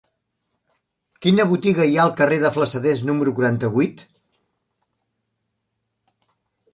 Quina botiga hi ha al carrer de Flassaders número quaranta-vuit?